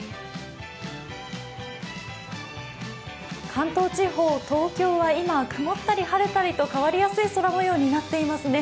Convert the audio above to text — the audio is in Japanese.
関東地方、東京は今、曇ったり晴れたりと変わりやすい空もようになっていますね。